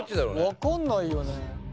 分かんないよね。